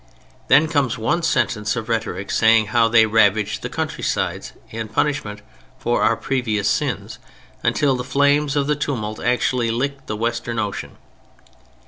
Then comes one sentence of rhetoric saying how they ravaged the countrysides "in punishment for our previous sins," until the "flames" of the tumult actually "licked the Western Ocean."